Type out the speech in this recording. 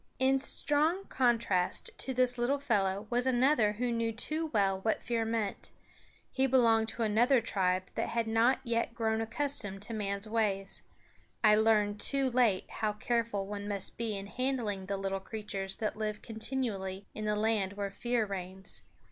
In strong contrast to this little fellow was another who knew too well what fear meant. He belonged to another tribe that had not yet grown accustomed to man's ways. I learned too late how careful one must be in handling the little creatures that live continually in the land where fear reigns.